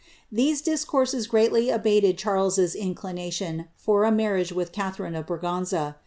Tbeie discourses greatly abated Charleses inclination for a marriage with Cithft rine of Braganza.